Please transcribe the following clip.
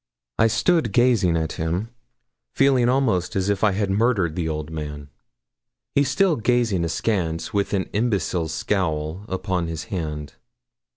I stood gazing at him, feeling almost as if I had murdered the old man he still gazing askance, with an imbecile scowl, upon his hand.